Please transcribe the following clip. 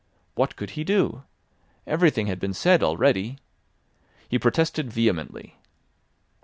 What could he do? Everything had been said already. He protested vehemently.